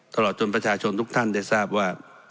ตลอดจนประชาชนทุกท่านได้ทราบว่า